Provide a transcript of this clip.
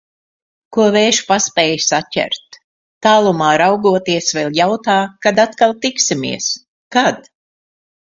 Ko vējš paspēja saķert. Tālumā raugoties vēl jautā, kad atkal tiksimies? Kad?